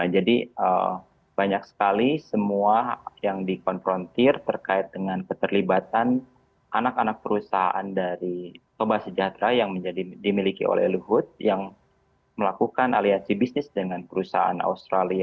jadi banyak sekali semua yang dikonfrontir terkait dengan keterlibatan anak anak perusahaan dari toba sejahtera yang dimiliki oleh luhut yang melakukan aliasi bisnis dengan perusahaan australia